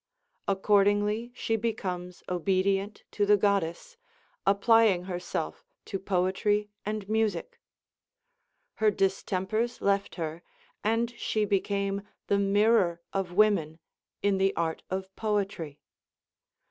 Accordingly she becomes obedient to the Goddess, applying herself to poetry and music ; her distempers left her, and she became the mir ror of women in the art of poetry.